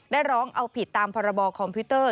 ร้องเอาผิดตามพรบคอมพิวเตอร์